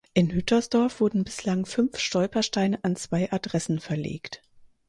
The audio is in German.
In Hüttersdorf wurden bislang fünf Stolpersteine an zwei Adressen verlegt.